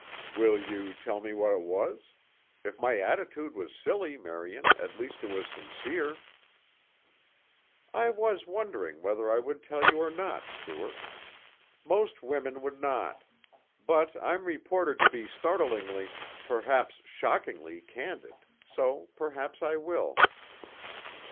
"Will you tell me what it was? If my attitude was silly, Marian, at least it was sincere." "I was wondering whether I would tell you or not, Stuart. Most women would not; but I'm reported to be startlingly perhaps shockingly candid so perhaps I will."